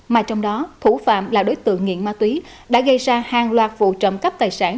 mà trong đó thủ phạm là đối tượng nghiện ma túy đã gây ra hàng loạt vụ trộm cắp tài sản